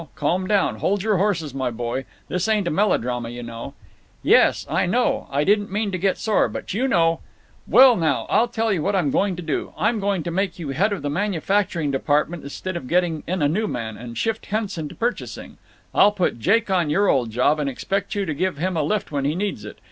Calm down; hold your horses, my boy. This ain't a melodrama, you know." "Yes, I know; I didn't mean to get sore, but you know—" "Well, now I'll tell you what I'm going to do. I'm going to make you head of the manufacturing department instead of getting in a new man, and shift Henson to purchasing. I'll put Jake on your old job, and expect you to give him a lift when he needs it.